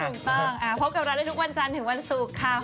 ถูกต้องพบกับเราได้ทุกวันจันทร์ถึงวันศุกร์ค่ะ